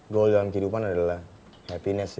goal dalam kehidupan adalah happiness